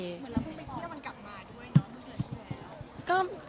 เหมือนแล้วพูดไม่คิดว่ามันกลับมาด้วยเนอะ